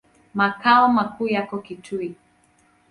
Makao makuu yako Kitui.